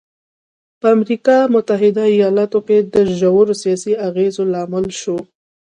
په امریکا متحده ایالتونو کې د ژورو سیاسي اغېزو لامل شوی.